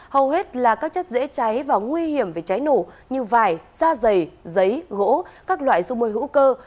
hầu hết là các chất dễ cháy và nguy hiểm về cháy nổ như vải da dày giấy gỗ các loại dung môi hữu cơ